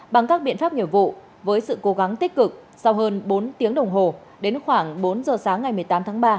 bằng các biện pháp nghiệp vụ với sự cố gắng tích cực sau hơn bốn tiếng đồng hồ đến khoảng bốn giờ sáng ngày một mươi tám tháng ba